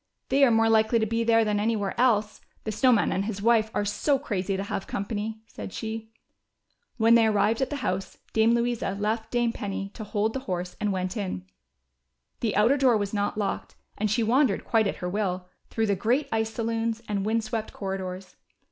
" They are more likely to be there than anywhere else, the Snow Man and his wife are so crazy to have company," said she. When they arrived at the house. Dame Louisa left Dame Penny to hold the horse, and went in. The outer door was not locked and she wandered quite at her will, through the great ice saloons, and wind swept corridors.